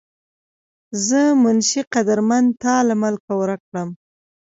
زۀ منشي قدرمند تا لۀ ملکه ورک کړم